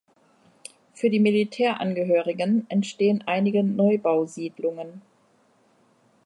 Für die Militärangehörigen entstehen einige Neubau-Siedlungen.